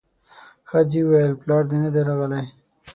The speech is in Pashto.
ښځې وويل پلار دې نه دی راغلی.